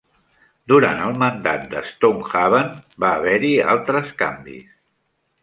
Durant el mandat de Stonehaven va haver-hi altres canvis.